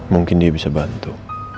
mungkin dia bisa bantu